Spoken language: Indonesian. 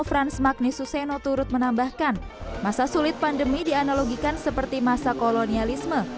frans magni suseno turut menambahkan masa sulit pandemi dianalogikan seperti masa kolonialisme